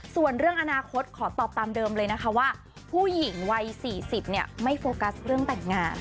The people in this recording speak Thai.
ส่วนเรื่องอนาคตขอตอบตามเดิมเลยนะคะว่าผู้หญิงวัย๔๐ไม่โฟกัสเรื่องแต่งงาน